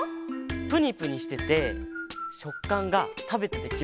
ぷにぷにしててしょっかんがたべててきもちいいんだよね。